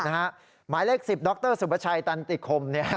หมายเลข๑๐ดรสุประชัยตันติคม